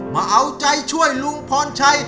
มาเอาใจช่วยลุงพรชัย